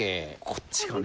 こっちをね